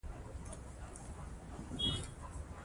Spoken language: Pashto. د ښه دولت بنسټ پر قانون ولاړ يي.